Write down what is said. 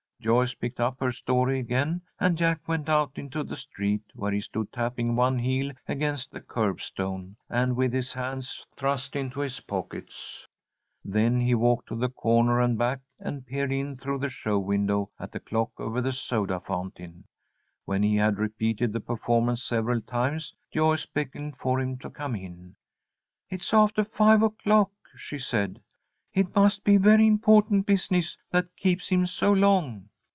Joyce picked up her story again, and Jack went out into the street, where he stood tapping one heel against the curbstone, and with his hands thrust into his pockets. Then he walked to the corner and back, and peered in through the show window at the clock over the soda fountain. When he had repeated the performance several times, Joyce beckoned for him to come in. "It's after five o'clock," she said. "It must be very important business that keeps him so long."